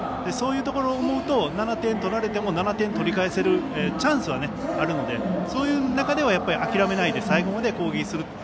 そういうことを思うと７点取られても７点取り返せるチャンスはあるのでそういう中では諦めないで最後まで攻撃する。